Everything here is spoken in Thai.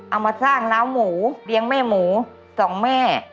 เอามาสร้างน้าวหมูเลี้ยงแม่หมูสองแม่